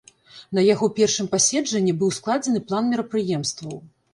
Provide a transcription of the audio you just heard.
На яго першым паседжанні быў складзены план мерапрыемстваў.